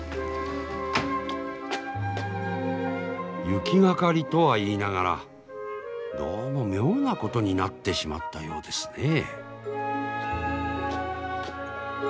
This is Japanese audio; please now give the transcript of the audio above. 行きがかりとは言いながらどうも妙なことになってしまったようですねえ。